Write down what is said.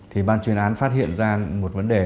thì ban chuyên án phát hiện ra một vấn đề